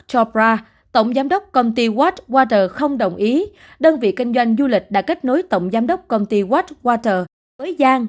chủ tịch hãng wattwater không đồng ý đơn vị kinh doanh du lịch đã kết nối tổng giám đốc công ty wattwater với giang